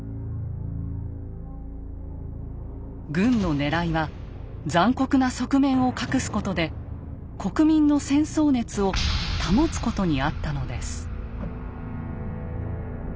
軍のねらいは残酷な側面を隠すことで国民の戦争熱を保つことにあったのです。